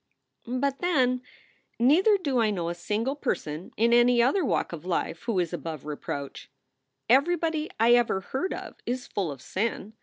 "But then, neither do I know a single person in any other walk of life who is above reproach. Everybody I ever heard of is full of sin.